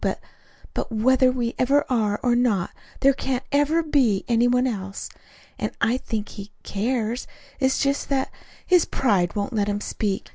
But but whether we ever are, or not, there can't ever be any one else. And I think he cares. It's just that that his pride won't let him speak.